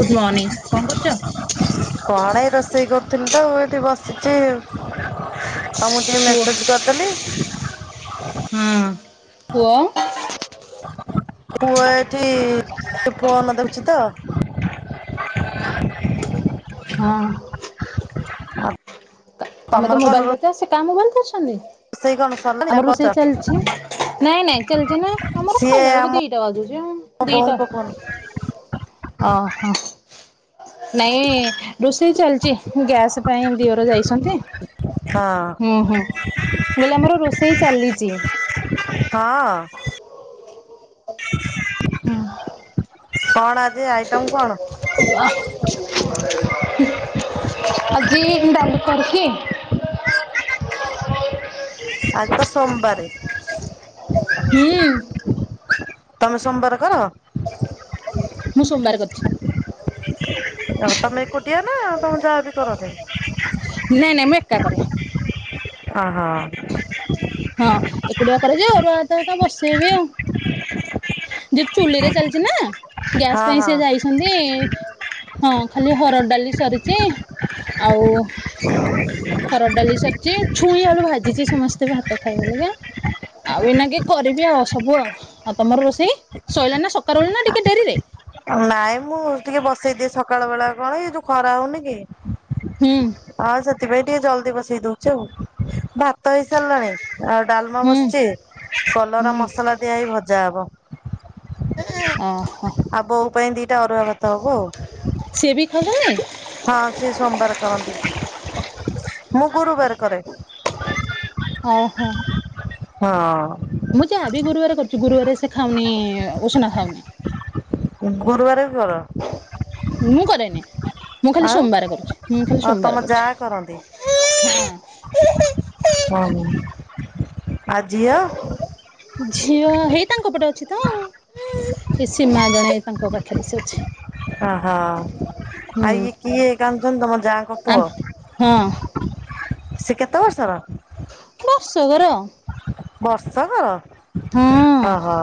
ଗୁଡ morning କଣ କରୁଛ? କଣ ଏ ରୋଷେଇ କରୁଥିଲି ତ ଏଠି ବସିଛି। ତମ ଟିକେ ପୁଅ ମେସେଜ କରିଦେଲି। ହଁ ପୁଅ? ପୁଅ ଏଠି ଫୋନ ଦେଉଛି ତ। ହଁ। ଆଉ ତମେ ତ ତମର କଣ ମୋବାଇଲ ଧରିଚ ସେ କାହା ମୋବାଇଲ ଧରିଛନ୍ତି? ରୋଷେଇ କଣ ସରିଲାଣି ନା ଆମର କରୁଛ ରୋଷେଇ ଚାଲିଛି, ନାଇଁ ନାଇଁ ଚାଲିଛି ନା ଆମର ଖାଇଲା ବେଳକୁ ଦିଟା ବାଜୁଛି ଆଉ। ବୋଉଙ୍କ ଫୋନ୍। ଓ ହୋ। ନାଇଁ ରୋଷେଇ ଚାଲିଛି ଗ୍ୟାସ୍ ପାଇଁ ଦିଅର ଯାଇଛନ୍ତି। ହଁ। ହୁଁ ହୁଁ ମୁଁ କହିଲି ଆମର ରୋଷେଇ ଚାଲିଛି। ହଁ। କଣ ଆଜି ଆଇଟମ୍ କଣ? [unintelligible] ଆଜି ଡାଲି କରିଚି [unintelligible] ଆଜି ତ ସୋମବାରେ, ହୁଁ। ତମେ ସୋମବାର କର? ମୁଁ ସୋମବାର କରିଛି। ଆଉ ତମେ ଏକୁଟିଆ ନା ତମ ଯାଆ ବି କରନ୍ତି? ନାଇଁ ନାଇଁ ମୁଁ ଏକା କରେ। ଓ ହୋ। ହଁ ଏକୁଡିଆ କରେଯେ ଆରୁଆ ଭାତତ ବସେଇବି ଆଉ ଯେଉ ଚୁଲି ରେ ଚାଲିଛି ନା ଗ୍ୟାସ୍ ହଁ ପାଇଁ ସେ ହଁ ଯାଇଛନ୍ତି ହଁ ଖାଲି ହରଡ଼ ଡାଲି ସରିଛି ଆଉ ହରଡ଼ ଡାଲି ସରିଛି ଛୁଇଁ ଆଳୁ ଭାଜିଛି ସମସ୍ତେ ଭାତ ଖାଇବେ ବେଲିକା। ଆଉ ଏଇନା କି କରିବି ଆଉ ସବୁ ଆଉ ଆଉ ତମର ରୋଷେଇ ଶଇଲାଣି ନା ସକାର ବଳି ନା ଟିକେ ଡେରିରେ? ନାଇଁ ମୁଁ ଟିକେ ବସେଇ ଦିଏ ସକାଳ ବେଳା କଣ ଏଇ ଯୋଉ ଖରା ହଉନି କି ହୁଁ ହଁ ସେଥିପାଇଁ ଟିକେ ଜଲ୍ଦି ବସେଇଦଉ। ଚଉ ଭାତ ହେଇସାରିଲାଣି ଆଉ ଡାଲମା ହୁଁ ବସିଛି କଲରା ହୁଁ ମସଲା ଦେଇ ଭଜା ହବ। ଓ ହୋ। ତୋ ପାଇଁ ଦିଟା ଆରୁଆ ଭାତ ହବ ସିଏ ବି ଆଉ। ଖାଉଛନ୍ତି ହଁ ସିଏ ସୋମ୍ବାର କରନ୍ତି ମୁଁ ଗୁରୁବାର କରେ। ଓହୋ। ହଁ। ମୁଁ ଯହାବି ଗୁରୁବାରେ କରୁଚି ଗୁରୁବାରେ ସେ ଖାଉନି ଉଷୁନା ଖାଉନି। ଉଁ ଗୁରୁବାରେ ବି କର? ମୁଁ କରେନି ମୁଁ ଖାଲି ଆଉ ସୋମ୍ବାରେ କରୁଛି ମୁଁ ଖାଲି ଆଉ ତମ ସୋମ୍ବାରେ ଯା କରୁଛି। କରନ୍ତି ହୁଁ। [unintelligible] ଆଜି ଆଉ। ଝିଅ ହେଇ ତାଙ୍କ ପଟେ ଅଛି ତ। ସେ ସୀମା ଜଣେ ତାଙ୍କ ପାଖରେ ସେ ଅଛି। ଓହ ଆଉ ହୁଁ ଇଏ କିଏ କାନ୍ଦୁଚନ୍ତି ତମ ଯାଙ୍କ ଆମ ପୁଅ? ହଁ ସେ କେତେ ବର୍ଷର? ବର୍ଷ କର। ବର୍ଷକର ହଁ ଓହୋ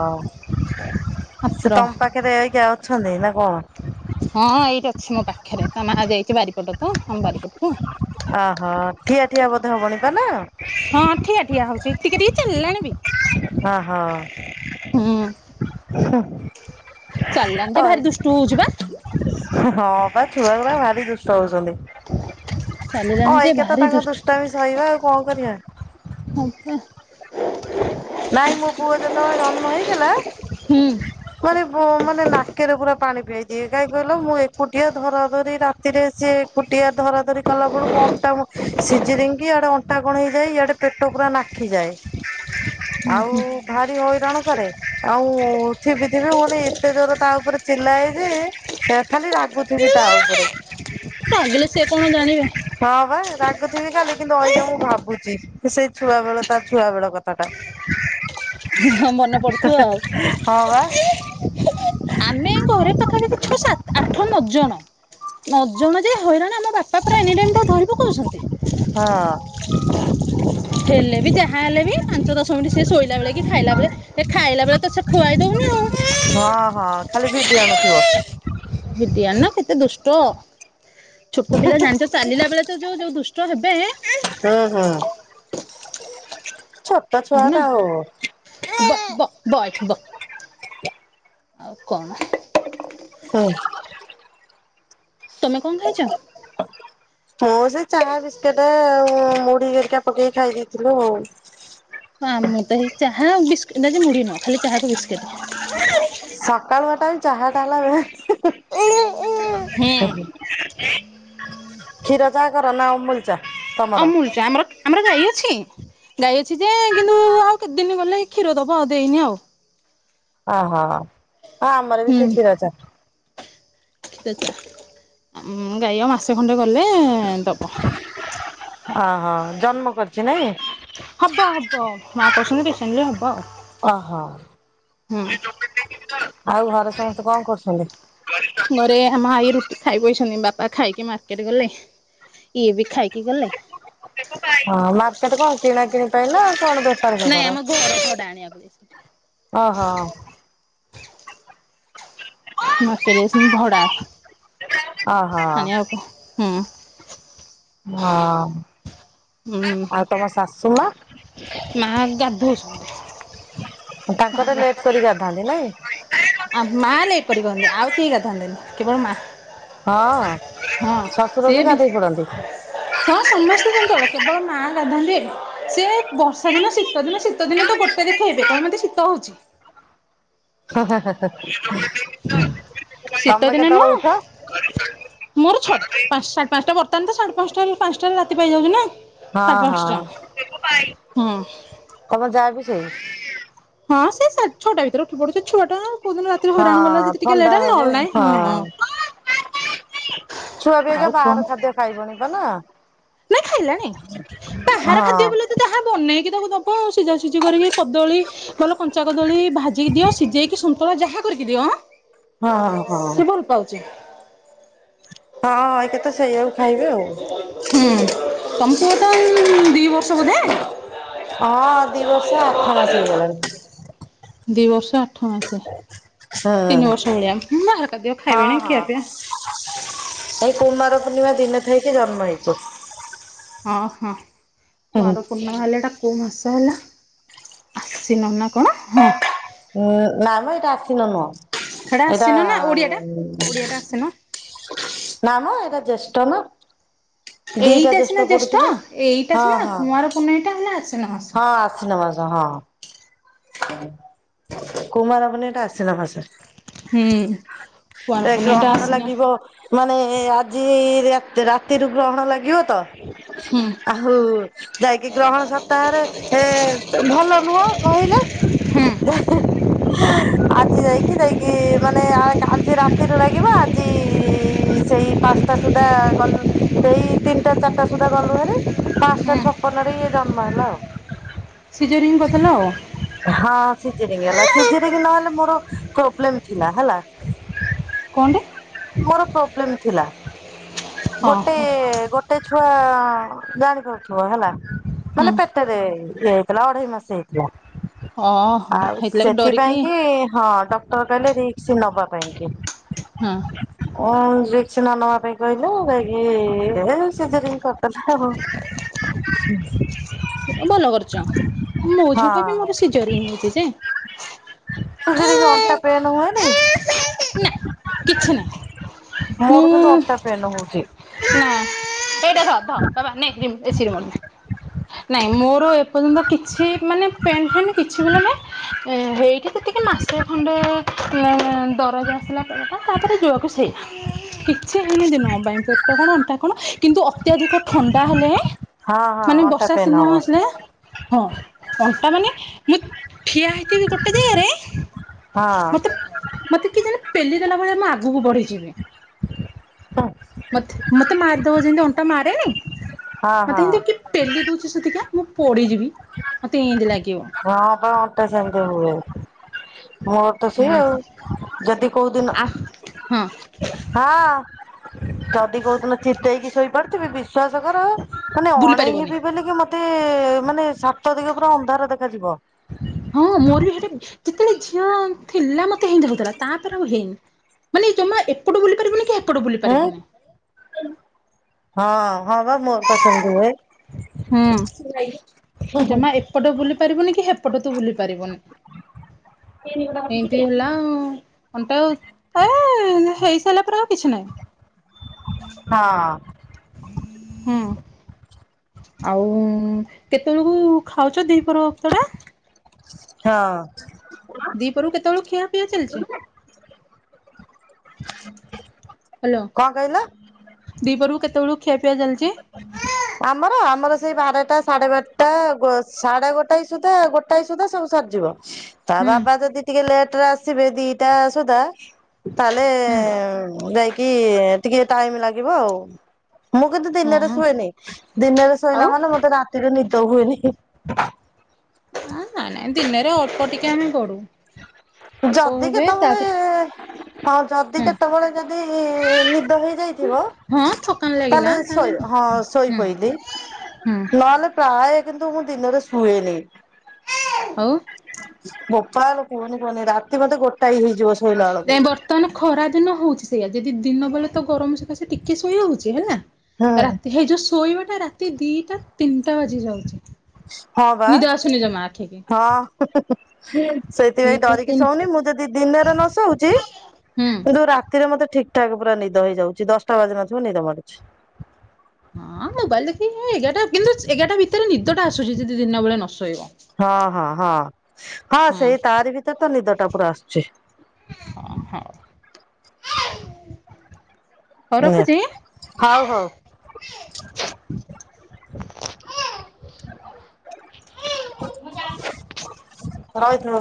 ମାତ୍ର ସେ ତମ୍ ପାଖେ ରେ କିଏ ଅଛନ୍ତି ନା କଣ? ହଁ ଏଇଠି ଅଛି ମୋ ପାଖେରେ ତା ମା ଯାଇଛି ବାରିପଟ ତ ହଁ ବାରିପଟୁ। ଓହୋ ଠିଆ ଠିଆ ବୋଧେ ହବଣି ତାହେଲେ? ହଁ ଠିଆଠିଆ ହଉଛି ଟିକେ ଟିକେ ଚାଲ୍ଲାଣି ବି। ଓ ହ ହୁଁ। ହଏ। ହୁଁ ଚାଲିଲାଣି ଯେ ଭାରି ଦୁଷ୍ଟୁ ହଉଛି ବା ହୁଁ ହଁ ବା ଛୁଆଗୁରା ଭାରି ଦୁଷ୍ଟ ହଉଛନ୍ତି। ଅ ଚାଲିଲାଣି ଯେ ଅଇଖାତ ଭାରି ତାଙ୍କ ଦୁଷ୍ଟୁ। ଦୁଷ୍ଟମି ସହିବା ଆଉ ଙ୍କ କରିବା। ଫପା। ନାଇଁ ମୋ ପୁଅ ଯେତେବେଳେ ଜନ୍ମ ହେଇଥିଲା ହୁଁ ମାନେ ବ ମାନେ ନାକେରେ ପୁରା ପାଣି ପିଆଇଦିଏ କାହିଁ କହିଲ ମୁଁ ଏକୁଟିଆ ଧରା ଧରି ରାତିରେ ସିଏ ଫୁଟିଆ ଧରା ଧରି କଲା ବେଳକୁ ଅଣ୍ଟାମୁ ସିଜିରିଙ୍ଗ୍ କି ଇଆଡେ ଅଣ୍ଟା କଣ ହେଇଯାଏ ଇଆଡେ ପେଟ ପୁରା ନାଖିଯାଏ ହୁଁ ଆଉ ହୁଁ। ଭାରି ହଇରାଣ କରେ ଆଉ ଥିବି ଥିବି ହୁଉନି ଏତେ ଜୋର ତା ଉପରେ ଚିଲ୍ଳାଏ ଯେ ସେ ଖାଲି ରାଗୁଥିବି ତା ଉପରେ। ରାଗିଲେ ସେ କଣ ଜାଣିବେ। ହଁ ବା ରାଗୁଥିବି ଖାଲି କିନ୍ତୁ ଅଇଁଛା ମୁଁ ଭାବୁଚି ସେଇ ଛୁଆ ବେଳ ତା ଛୁଆ ବେଳ କଥା। ତା ମନେ ପଡୁଥିବ ଆଉ। ହଁ ବା। ଆମେ ଘରେ ପାଖାପାଖି ଛ, ସାତ୍, ଆଠ, ନ ଜଣ ନ ଜଣ ଯେ ହଇରାଣ ଆମ ବା ତାପରେ ଏନି ଟାଇମ୍ ତାଉ ଧରି ପକଉଛନ୍ତି। ହଁ ହେଲେ ବି ଯାହା ହେଲେ ବି ପାଞ୍ଚ ଦଶ ମିଣ୍ଟି ସିଏ ଶୋଇଲା ବଳେ କି ଖାଇଲା ବେଳେ ହେ ଖାଇଲା ବେଳେ ତ ସେ ଖୁଆଇ ଦୋଉନି ଆଉ। ହଁ ହଁ ଖାଲି ଭିଡ଼ି ଆଣୁଥିବ। ଭିଡିଆଣେ ନାଁ କେତେ ଦୁଷ୍ଟ। ଛୋଟ ପିଲା ଜାଣିଚ ଚାଲିଲା ବେଳେ ତ ଯୋଉ ଯୋଉ ଦୁଷ୍ଟ ହେବେ। ହଁ ହଁ ଛୋଟ ନା ଛୁଆଟା ଆଉ। ବ ବ ବ ଏଇଠି ବ। ଆଉ କଣ? ହଉ। ତମେ କଁ ଖାଇଚ? [unintelligible] ମୁଁ ସେଇ ଚା ବିସ୍କେଟେ ଆଉ ମୁଢ଼ି ହେରିକା ପକେଇ ଖାଇ ଦେଇଥିଲୁ ଆଉ। ହଁ ମୁଁ ତୋ ହେଇ ଚାହା ଆଉ ବିସ୍ ଦେ ଆଜି ମୁଢ଼ି ନୁହଁ ଖାଲି ଚାହାକୁ ବିସ୍କିଟି। ସକାଳୁଆ ତମେ ଚାହା ତାହାଲା ହୁଁ କ୍ଷୀର ଚାହା କର ନାଁ ଅମୁଲ ଚା? ତମର? ଅମୁଲ ଚା ଆମର। ଆମର ଗାଈ ଅଛି ଗାଈ ଅଛି ଯେ କିନ୍ତୁ ଆଉ କେତେ ଦିନ ଗଲେ ଏ କ୍ଷୀର ଦବ ଆଉ ଦେଇନି ଆଉ। ଅହ ଆଉ ଆମର ବି ସେଇ କ୍ଷୀର ଚା। ସେ ଆମୁଁ ଗାଈ ଆଉ ମାସେ ଖଣ୍ଡେ ଗଲେ ଦବ ଅହ ଜନ୍ମ କରିଛି ନାଇଁ? ହବ ହବ ମା କହୁସନ୍ତି ରିସେଣ୍ଟଲି ହବ ଅହ। ହୁଁ। ଆଉ ଘରେ ସମସ୍ତେ କଁ କରୁଛନ୍ତି? ମୋର ଏ ଆମା ଆଇ ରୁଟି ଖାଇ ବଇଛନ୍ତି, ବାପା ଖାଇକି ମାର୍କେଟ ଗଲେ। ଇଏ ବି ଖାଇକି ଗଲେ। ହଁ ମାର୍କେଟ କଁ କିଣା କିିଣି ପାଇଁ ନାଁ କଣ ବେପାର ନାଇଁ ଫେପାର ଆମ ଘର ଭଡା ଆଣିଆକୁ ଯାଇ ଅହ। [inaudible] ମାର୍କେଟ ଯାଇଛନ୍ତି ଭଡ଼ା ଓହୋ ଆଣିଆକୁ ହୁଁ ‌ ହଁ ହୁଁ। ଆଉ ତମ ଶାଶୁ ମା? ମା ଗଧୋଉଛନ୍ତି। ତାଙ୍କର ଲେଟ କରି ଗାଧାନ୍ତି ନାଇଁ? ଆ ମା ଲେଟ୍ କରି ଗନ୍ତି ଆଉ କେହି ଗାଧାନ୍ତିନି କେବଳ ମା ହଁ ଶଶୁର ବି ଗାଧେଇ ପଡନ୍ତି। ସଁ ସମସ୍ତେ ଚଞ୍ଚଳ କେବଳ ମା ଗାଧାନ୍ତି, ସେ ବର୍ଷା ଦିନ ଶୀତ ଦିନ ଶୀତ ଦିନେ ତ ଗୋ ତେ ଦେଖେଇବେ, କହିବେ ମତେ ଶୀତ ହଉଚି। [unintelligible] ଶୀତ ତମେ ଦିନେ ନୁହଁ କେତେବେଳେ ଉଠ? ମୋର ଛଅଟା ପାଁ ସାଢ଼େ ପାଂଶଟା ବର୍ତ୍ତମାନ ତ ସାଢେ ପାଂଶଟାରେ ପାଂଶଟାରେ ରାତି ପାଇଯାଉଚି ନା। ହଁ ସାଢ଼େ ହଁ। ପାଂଶଟା ହଁ। ତମ ଯା ବି ସେଇ। ହଁ ସେ ସାଢ଼େ ଛଟା ଭିତରେ ଉଠି ପଡୁଛି, ଛୁଆଟା କୋଉ ଦିନ ରାତିରେ ହଇରାଣ କଲା ହଁ ଯଦି ଟିକେ ଥଣ୍ଡା ଲେଟ ହେ ହବ ନହେଲେ ନାଇଁ ହଁ ହଁ। ଛୁଆ ବି ଏବେ ଆଉ କଣ ବାହାର ଖାଦ୍ୟ ଖାଇବଣି ପା, ନା? ନାଇଁ ଖାଇଲାଣିି ବାହାର ହଁ ଖାଦ୍ୟ ବୋଲି ଯାହା ବନେଇକି ତାକୁ ଦବ ଆଉ, ସିଝା ସିଝି କରିକି କଦଳୀ ନହେଲେ କଞ୍ଚା କଦଳୀ ଭାଜିକି ଦିଅ ସିଝେଇକି ସନ୍ତୁଳା ଯାହା କରିକି ଦିଅ ହଁ ହଁ। ଖାଉଚି। ହଁଁ ଏଇକେତ ସେଇଆକୁ ଖାଇବେ ଆଉ। ହୁଁ ତମ ପୁଅ ତ ଦୁଇ ବର୍ଷ ବୋଧେ? ହଁ ଦି ବର୍ଷ ଆଠ ମାସ ହେଇଗଲାଣି। ଦି ବର୍ଷ ଆଠ ମାସେ ହଁ ତିନି ବର୍ଷ ଭଳିଆ, ବାହାର ଖାଦ୍ୟ ହଁ ଖାଇବେଣି ଖିଆ ହଁ ପିଆ ଏଇ କୁମାର ପୂର୍ଣ୍ଣିମା ଦିନେ ଥାଇକି ଜନ୍ମ ହେଇଚି। ହଁ ହଁ କୁଆଁର ପୂର୍ଣ୍ଣିମା ହେଲେଏଇଟା କୋଉ ମାସ ହେଲା ଆଶ୍ୱିନ ନା କଣ ହଁ। ଉଁ ନାଇ ମ ଏଇଟା ଆସିନ ନୁଅ ହେଟା ଏଇଟା ଆଶ୍ଵିନ ନା ଓଡିଆଟା ଓଡିଆଟା ଆଶ୍ଵିନ ନାମ ଏଇଟା ଜେଷ୍ଠ ନା। ଦିଟା ଏଇଟା ସିନା ପଡୁଛି ଜ୍ୟେଷ୍ଠ ବା। ଏଇଟା ହଁ ସିନା କୁଆଁର ପୁନେଇଟା ହେଲା ଆସିନ ମାସ। ଆସିନ ମାସ ହଁ କୁମାର ପୁନେଇଟା ଆସିନ ମାସ ହଁ। ହୁଁ। କୁଆଁର ଏ ପୂର୍ଣ୍ଣମୀଟା ଗ୍ରହଣ ଆଶ୍ଵିନ ଲାଗିବ। ମାନେ ଆଜି ରାତି ରାତିରୁ ଗ୍ରହଣ ଲାଗିବ ତ ହୁଁ। ଆହୁ ଯାଇକି ଗ୍ରହଣ ସପ୍ତାହରେ ଏ ଭଲ ନୁହଁ କହିଲେ ହୁଁ ହୁଁ ଆଜି ଯାଇକି ଯାଇକି ମାନେ ଆ କା ଆଜି ରାତ୍ ରାତିରେ ଲାଗିବ ଆଜି ସେଇ ପାଞ୍ଚଟା ସୁଦ୍ଧା ଗଲୁ ସେଇ ତିନିଟା ଚାରିଟା ସୁଦ୍ଧା ଗଲୁ ହାରି। ପାଞ୍ଚଟା ଛପନ ରେ ଇଏ ଜନ୍ମ ହେଲା ଆଉ। ସିଜରିଙ୍ଗି କରିଦେଲ ଆଉ? ହଁ ସିଯେରିଙ୍ଗି ହେଲା ସିଯେରିଙ୍ଗି ନହେଲେ ମୋର ପ୍ରୋବ୍ଲେମ ଥିଲା ହେଲା। କଣ୍ଟେ? ମୋର ପ୍ରୋବ୍ଲେମ ଥିଲା ହଁ ଗୋଟେ ହଁ ଗୋ ଗୋଟେ ଛୁଆ ଜାଣିପାରୁଥିବ ହେଲା ହୁଁ ମାନେ ପେ ପେଟରେ ଇଏ ହେଇଥିଲା ଅଢେଇ ମାସ ହେଇଥିଲା। ଓହୋ ଆଉ ହେଇଥିଲାଗି ଡରିକି ସେଥିପାଇଁ କି ହଁ ଡକ୍ଟର କହିଲେ ରିକସ ନବା ପାଇଁ କି। ହଁ। ଅ ରିକ୍ସ ନ ନବା ପାଇଁ କହିଲେ ଯାଇକି ଏ ସିଯରିଂ କରିଦେ। [unintelligible] ସେ ଭଲ କରିଚ ମୋ ଝିଅ ଟା ହଁ ବି ମୋର ସିଜରିଙ୍ଗି ହେଇଚି ଯେ। ସିଯେରିଂ ଏବେ ଅଣ୍ଟା ପେନେ ହୁଏନି? ନା କିଛି ନାହିଁ ମୋର କିନ୍ତୁ ଅଣ୍ଟା ପେନ୍ ହଉଚି। ନାଏଇଟା ଧ ଧ ବାବା ନେ ରି ଏସି ରିମୋଟ। ନାଇଁ ମୋର ଏପର୍ଯ୍ୟନ୍ତ କିଛି ମାନେ ପେନ୍ ଫେନ୍ କିଛି ବୋଲି ନା। ହେଇଠି ଯେତିକି ମାସେ ଖଣ୍ଡେ ଦରଜ ଆସିଲା ପେଟଟା ତାପରେ ଯୋଉୟା କୁ ସେୟା। କିଛି ହେଇନି ଦିନକ ପାଇଁ ପେଟ କଣ ଅଣ୍ଟା କଣ? କିନ୍ତୁ ଅତ୍ୟଧିକ ଥଣ୍ଡା ହେଲେ ମାନେ ବର୍ଷା ପେନେ ସିନ ହବ। ଆସିଲେ ହଁ ଅଣ୍ଟା ମାନେ ମୁଁ ଠିଆ ହେଇଥିବି ଗୋଟେ ଜାଗାରେ ମତେ ହଁ। ମତେ କିଏ ଜଣେ ପେଲି ଦେଲା ଭଳିଆ ମୁଁ ଆଗୁକୁ ବଢିଯିବି। ହୁଁ। ତୋର ଜେମିତି ଅଣ୍ଟା ମାରେନି ହଁ। ମତେ ହେନ୍ତି କିଏ ପେଲି ଦଉଚି ସତ ସତିକା ମୁଁ ପଡିଯିବି ମତେ ଏନ୍ତୀ ଲାଗିବ। ହଁ ପା ଅ ଟା ସେମିତି ହୁଏ ମୋର ତ ସେଇ ହୁଁ ଆଉ ଯଦି କୋଉଦିନ ଆ ହଁ ହଁ ଜଦି କଉଦିନ ଚିତେଇକି ଶୋଇପଡିଥିବି ବିଶ୍ୱାସ କର ମାନେ ବୁଲି ଅଣେଇ ପାରିବନି ହେବି ବୋଲିକି ମ ମତେ ମାନେ ସାତ ଦିଗ ପୁରା ଅନ୍ଧାର ଦେଖାଯିବ। ହଁ ମୋର ବି ହେଟେ ଯେତେବେଳେ ଝିଅ ଥିଲା ମତେ ହେଏନ୍ତିହଉଥିଲା ତାପରେ ଆଉ ହେଇନି। ମାନେ ଜମା ଏପଟୁ ବୁଲି ପାରିବୁନି କି ହେପଟୁ ବୁଲି ହୁଁ ପାରିବୁନି। ହଁ ହଁ ବା ମୋର ପା ସେମିତି ହୁଏ। ହୁଁ ଜମା ଏପଟ ବୁଲି ପାରିବୁନି କି ହେପଟ ତୁ ବୁଲି ପାରିବୁନି। ଏମତି ହଁ। ହେଲା ଆଉ ଅଣ୍ଟା ଆଉ ଏ ହେଇସାରିଲା ପରେ ଆଉ କିଛି ନାହିଁ। ହଁ। ହୁଁ। ଆଉ କେତେବେଳକୁ ଖାଉଛ ଦିହି ପହର ବକ୍ତଟା? ହଁ। ଦିପରୁ କେତେବେଳୁ ଖିଆ ପିଆ ଚାଲିଛି? [inaudible] ହ୍ୟାଲୋ କଣ କହିଲ? ଦୀପରକୁ କେତେବେଳକୁ ଖିଆପିଆ ଚାଲିଛି? [inaudible] ଆମର ଆମର ସେଇ ବାରଟା ସାଢେ ବାରଟା ଗୋ ସାଢେ ଗୋଟାଏ ସୁଦ୍ଧା ଗୋଟାଏ ସୁଦ୍ଧା ସବୁ ସରିଯିବ। ତା ହୁଁ ବାବା ଯଦି ଟିକେ ଲେଟରେ ଆସିବେ ଦିଟା ସୁଦା ତାହେଲେ ହୁଁ ଯାଇକି ଟିକେ ଟାଇମ୍ ଲାଗିବ ଆଉ। ମୁଁ କିନ୍ତୁ ଦିନରେ ହଁ ଶୁଏନି ଦିନରେ ଶୋଇଲା ଆଉ ମାନେ ମତେ ରାତିରେ ନିଦ ହୁଏନି ହିଁ। ନାଇଁ ନାଇଁ ଦିନରେ ଅଳ୍ପ ଟିକେ ଆମେ ଗଡୁ ନା ଯଦି କେତବେଳେ ହଁ ଯଦି ହୁଁ କେତେବେଳେ ଯଦି ନିଦ ହେଇଯାଇଥିବ ହଁ ଥକାନ ଲାଗିଲା ତାହେଲେ ତାହେଲେ ଶୋଇ ହଁ ଶୋଇ ହୁଁ ପଇଲିି ହୁଁ ନହେଲେ ପ୍ରାୟ କିନ୍ତୁ ମୁଁ ଦିନରେ ଶୁଏନି। ଆଉ? ବୋପାଲୋ କୁହନି କୁହନି ରାତି ମତେ ଗୋଟାଏ ହେଇଯିବ ଶୋଇଲା ବେଳକୁ। ବର୍ତମାନ ଖରା ଦିନ ହଉଛି ସେଇଆା ଯେଦି ଦିନ ବେଳେ ତ ଗରମ ସକାସେ ଟିକେ ଶୋଇ ହଉଛି ହେଲା? ହୁଁ ରାତି ହେଇଯିବ ଶୋଇବାଟା ରାତି ଦିଟା ତିନିଟା ବାଜି ଯାଉଛି। ହଁ ବା ନିଦ ଆସୁନି ଜମା ଆଖିକି ହଁ। ସେଥିପାଇଁ ଦିଟା ଡରିକି ତିନି ଶୋଉନି ମୁଁ ଯଦି ଦିନରେ ନସୋଉଛି ହୁଁ କିନ୍ତୁ ରାତିରେ ମୋତେ ଠିକ ଠାକ ପୁରା ନିଦ ହେଇଯାଉଛି ଦଶଟା ବାଜି ନଥିବ ନିଦ ମାଡୁଛି। ହଁ ମୋବାଇଲ ଦେଖି ଏଗାରଟା କିନ୍ତୁ ଏଗାରଟା ଭିତରେ ନିଦ ଟା ଆସୁଛି ଯଦି ଦିନ ବେଳେ ନସୋଇବ। ହଁ ହଁ ହଁ ହଁ ସେଇ ତାରି ଭିତରେ ତ ନିଦ ଟା ପୁରା ଆସୁଛି। ହଁ ହଉ। ହଉ ରଖୁଛି। [unintelligible] ହଉ ହଉ। ରହିଥିନି ମୁଁ।